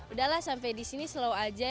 udah lah sampai di sini slow saja